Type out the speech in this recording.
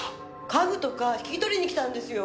家具とか引き取りにきたんですよ。